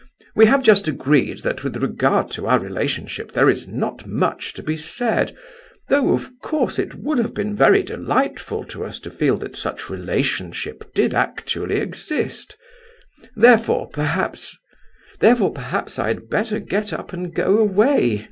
We have just agreed that with regard to our relationship there is not much to be said, though, of course, it would have been very delightful to us to feel that such relationship did actually exist; therefore, perhaps—" "Therefore, perhaps I had better get up and go away?"